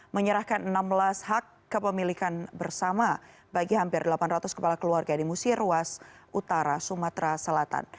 menyerahkan enam belas hak kepemilikan bersama bagi hampir delapan ratus kepala keluarga di musir ruas utara sumatera selatan